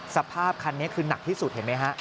สภาพคันนี้คือหนักที่สุดเห็นไหมฮะ